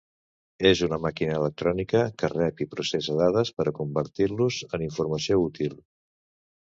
És una màquina electrònica que rep i processa dades per a convertir-los en informació útil.